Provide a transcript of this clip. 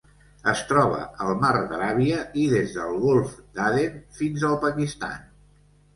Es troba al Mar d'Aràbia i des del Golf d'Aden fins al Pakistan.